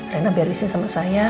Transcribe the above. rena biar di sini sama saya